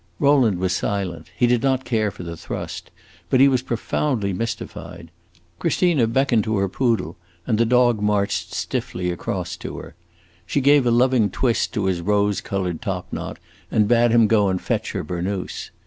Rowland was silent; he did not care for the thrust; but he was profoundly mystified. Christina beckoned to her poodle, and the dog marched stiffly across to her. She gave a loving twist to his rose colored top knot, and bade him go and fetch her burnous.